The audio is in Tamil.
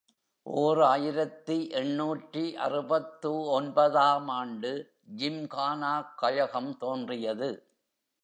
ஓர் ஆயிரத்து எண்ணூற்று அறுபத்தொன்பது ஆம் ஆண்டு ஜிம்கானா கழகம் தோன்றியது.